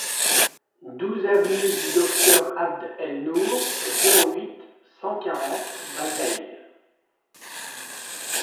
douze avenue du Docteur Abd El Nour, zéro huit, cent quarante, Bazeilles